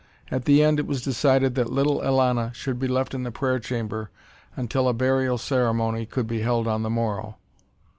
At the end, it was decided that little Elana should be left in the prayer chamber until a burial ceremony could be held on the morrow.